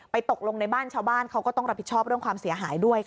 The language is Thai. ไปตกลงบ้านน้ำเขาก็ต้องรับผิดชอบเรื่องความเสียหายด้วย